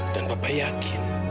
dan papa yakin